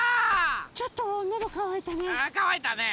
ちょっとのどかわいたね。